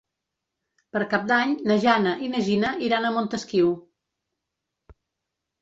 Per Cap d'Any na Jana i na Gina iran a Montesquiu.